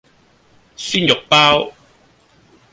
鮮肉包